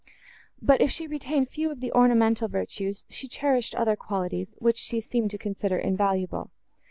But, if she retained few of the ornamental virtues, she cherished other qualities, which she seemed to consider invaluable.